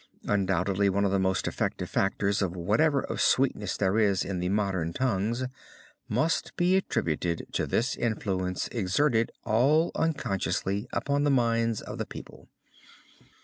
Undoubtedly one of the most effective factors of whatever of sweetness there is in the modern tongues, must be attributed to this influence exerted all unconsciously upon the minds of the people.